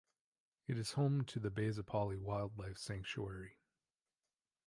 It is home to the Baisipali Wildlife Sanctuary.